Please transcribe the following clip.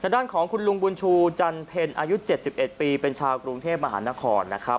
ด้านของคุณลุงบุญชูจันเพ็ญอายุ๗๑ปีเป็นชาวกรุงเทพมหานครนะครับ